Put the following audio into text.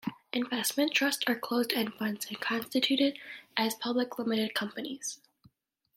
Investment trusts are closed-end funds and are constituted as public limited companies.